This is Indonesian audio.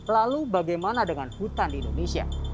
lalu bagaimana dengan hutan di indonesia